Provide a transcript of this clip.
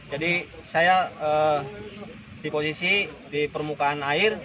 saya di posisi di permukaan air